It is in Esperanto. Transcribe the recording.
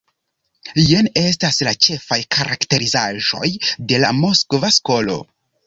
Jen estas la ĉefaj karakterizaĵoj de la Moskva skolo.